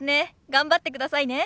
頑張ってくださいね。